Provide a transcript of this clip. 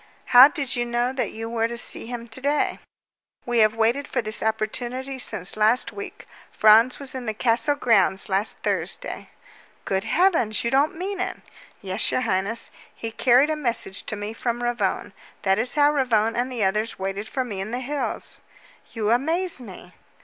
"How did you know that you were to see him to day?" "We have waited for this opportunity since last week. Franz was in the castle grounds last Thursday." "Good heavens! You don't mean it!" "Yes, your highness. He carried a message to me from Ravone. That is why Ravone and the others waited for me in the hills." "You amaze me!"